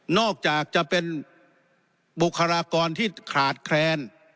อกจากจะเป็นบุคลากรที่ขาดแคลน